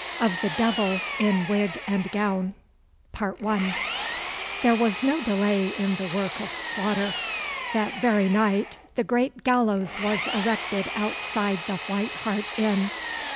Of the Devil in Wig and Gown There was no delay in the work of slaughter. That very night the great gallows was erected outside the White Hart inn.